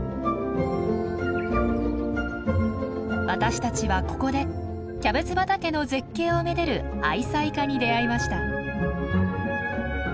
私たちはここでキャベツ畑の絶景をめでる愛妻家に出会いました。